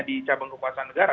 di cabang kekuasaan negara